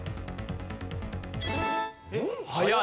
早い。